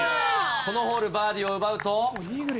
このホール、バーディーを奪うと。